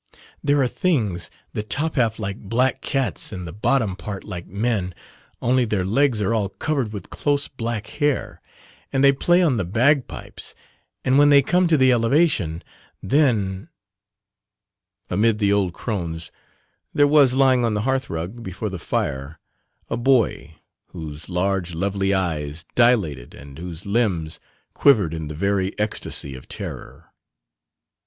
There are things the top half like black cats, and the bottom part like men only their legs are all covered with close black hair, and they play on the bag pipes, and when they come to the elevation, then " Amid the old crones there was lying on the hearth rug, before the fire, a boy whose large lovely eyes dilated and whose limbs quivered in the very ecstacy of terror.